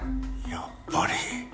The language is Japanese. やっぱり。